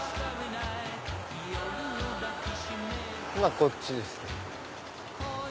こっちです。